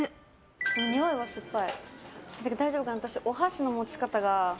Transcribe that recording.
匂いは酸っぱい。